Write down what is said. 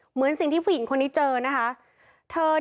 เหมือนสิ่งที่ผู้หญิงคนนี้เจอนะคะ